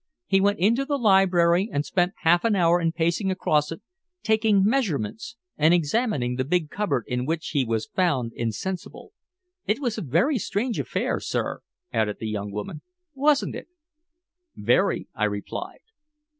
He went into the library, and spent half an hour in pacing across it, taking measurements, and examining the big cupboard in which he was found insensible. It was a strange affair, sir," added the young woman, "wasn't it?" "Very," I replied.